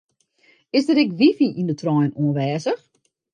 Is der ek wifi yn de trein oanwêzich?